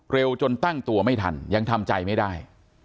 จนตั้งตัวไม่ทันยังทำใจไม่ได้